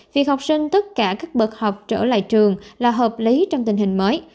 việc học sinh tất cả các bậc học trở lại trường là hợp lý trong tình hình mới